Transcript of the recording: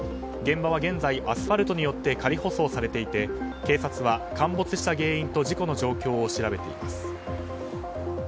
現場は現在アスファルトによって仮舗装されていて警察は陥没した原因と事故の状況を調べています。